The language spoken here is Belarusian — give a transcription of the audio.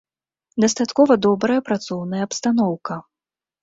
Дастаткова добрая працоўная абстаноўка.